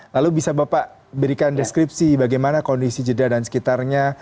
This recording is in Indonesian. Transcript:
lalu bisa bapak berikan deskripsi bagaimana kondisi jeddah dan sekitarnya